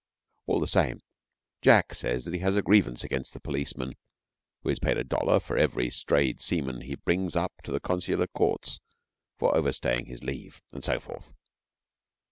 All the same, Jack says that he has a grievance against the policeman, who is paid a dollar for every strayed seaman he brings up to the Consular Courts for overstaying his leave, and so forth.